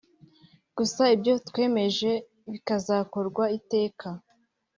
gusa ibyo twemeje bizakorwa iteka